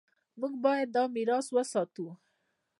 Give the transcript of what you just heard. موږ باید دا میراث وساتو.